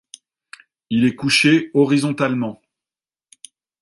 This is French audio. Il est couché horizontalement.